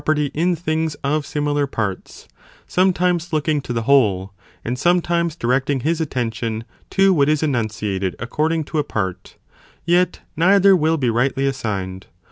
459 perty in things of similar parts, sometimes looking to the whole, and sometimes directing his attention to what is enun ciated according to a part, yet neither will be rightly assigned.